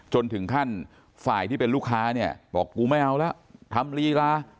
จนถึงขั้นฝ่ายที่เป็นลูกค้าเนี่ยบอกกูไม่เอาแล้วทำลีลา